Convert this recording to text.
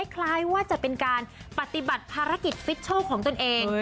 คล้ายว่าจะเป็นการปฏิบัติภารกิจฟิตชัลของตนเอง